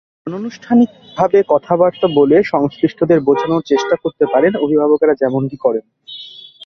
অনানুষ্ঠানিকভাবে কথাবার্তা বলে সংশ্লিষ্টদের বোঝানোর চেষ্টা করতে পারেন, অভিভাবকেরা যেমনটি করেন।